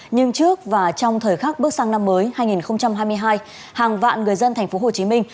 nhưng trước và trong thời khắc bước sang năm mới hai nghìn hai mươi hai hàng vạn người dân thành phố hồ chí minh